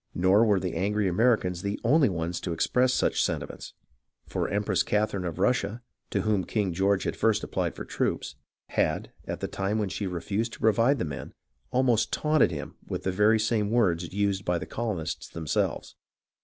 Nor were the angry Americans the only ones to express such sentiments, for Empress Catherine of Russia, to whom King George had first applied for troops, had, at the time when she refused to provide the men, almost taunted him with the very same words used by the colo nists themselves.